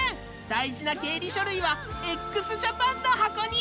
大事な経理書類はＸＪＡＰＡＮの箱に！